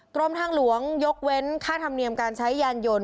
กรมทางหลวงยกเว้นค่าธรรมเนียมการใช้ยานยนต์